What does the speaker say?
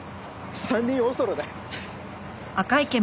３人おそろだよ。